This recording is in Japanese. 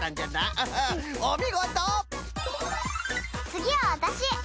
つぎはわたし！